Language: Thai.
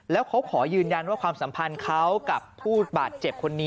แล้วเขาขอยืนยันว่าความสัมพันธ์เขากับผู้บาดเจ็บคนนี้